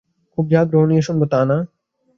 খুব যে আগ্রহ নিয়ে শুনব তা না।